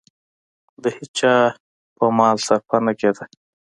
د هېچا پر مال صرفه نه کېده.